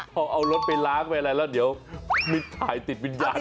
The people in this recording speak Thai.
พอเอารถไปล้างไปอะไรแล้วเดี๋ยวมิดถ่ายติดวิญญาณ